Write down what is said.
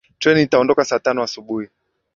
Treni itaondoka saa tano asubuhi